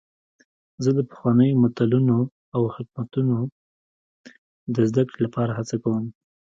زه د پخوانیو متلونو او حکمتونو د زدهکړې لپاره هڅه کوم.